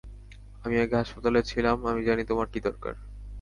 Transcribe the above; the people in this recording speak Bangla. আমি আগে হাসপাতালে ছিলাম, আমি জানি তোমার কী দরকার।